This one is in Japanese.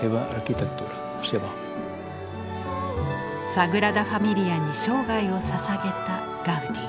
サグラダ・ファミリアに生涯をささげたガウディ。